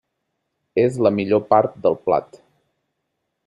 És la millor part del plat.